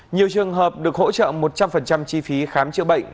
nhiều trường hợp được hỗ trợ một trăm linh chi phí khám chữa bệnh